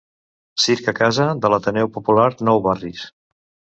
Circ a casa de l'Ateneu Popular nou Barris.